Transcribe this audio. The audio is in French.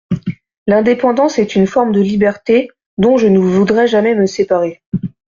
L’indépendance est une forme de liberté dont je ne voudrais jamais me séparer.